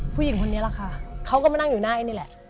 ผู้หญิงคนนี้แหละค่ะเขาก็มานั่งอยู่หน้าไอ้นี่แหละ